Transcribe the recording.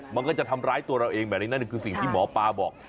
มันก็จะทำร้ายตัวเราเองแบบนี้นั่นคือสิ่งที่หมอปลาบอก